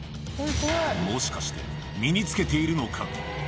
もしかして身につけているのか？